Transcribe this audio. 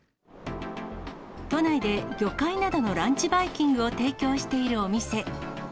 都内で魚介などのランチバイキングを提供しているお店。